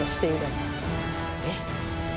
えっ？